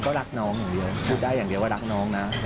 ก็รักน้องอย่างเดียวพูดได้อย่างเดียวว่ารักน้องนะ